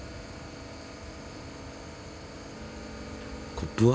コップは？